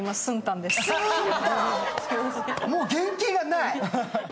もう原型がない！